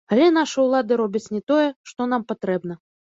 Але нашы ўлады робяць не тое, што нам патрэбна.